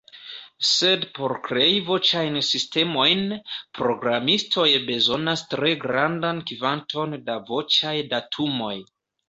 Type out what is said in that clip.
Sed por krei voĉajn sistemojn, programistoj bezonas tre grandan kvanton da voĉaj datumoj.